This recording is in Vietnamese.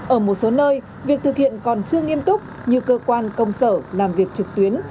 ở một số nơi việc thực hiện còn chưa nghiêm túc như cơ quan công sở làm việc trực tuyến